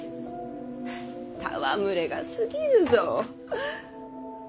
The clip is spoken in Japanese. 戯れがすぎるぞ。